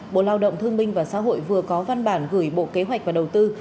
bộ lao động thương minh và xã hội vừa có văn bản gửi bộ kế hoạch và đầu tư